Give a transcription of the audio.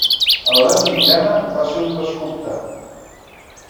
A l'edat mitjana va ser un vescomtat.